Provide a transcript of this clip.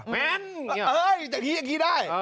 แมนเอ้ยจากนี้ได้